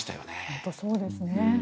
本当にそうですね。